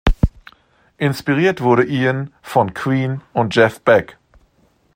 Inspiriert wurde Ian von Queen und Jeff Beck.